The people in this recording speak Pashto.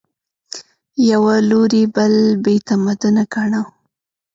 یوه لوري بل بې تمدنه ګاڼه